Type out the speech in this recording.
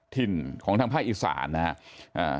ถิ่นของทางภาคอีสานนะครับ